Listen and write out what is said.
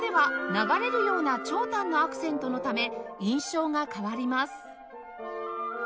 流れるような長短のアクセントのため印象が変わります